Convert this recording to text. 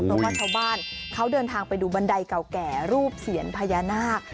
เพราะว่าชาวบ้านเขาเดินทางไปดูบันไดเก่าแก่รูปเสียนพญานาค